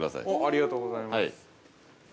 ◆ありがとうございます。